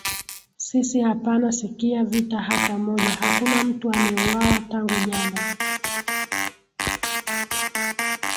sisi apana sikia vita hata moja hakuna mtu ameuwawa tangu jana